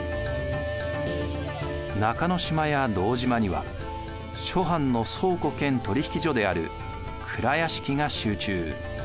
中之島や堂島には諸藩の倉庫兼取引所である蔵屋敷が集中。